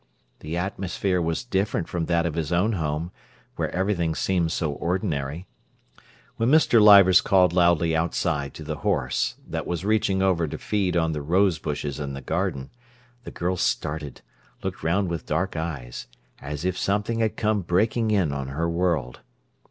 The atmosphere was different from that of his own home, where everything seemed so ordinary. When Mr. Leivers called loudly outside to the horse, that was reaching over to feed on the rose bushes in the garden, the girl started, looked round with dark eyes, as if something had come breaking in on her world.